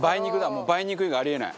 もう、梅肉以外あり得ない。